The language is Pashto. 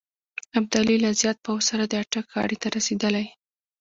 ابدالي له زیات پوځ سره د اټک غاړې ته رسېدلی.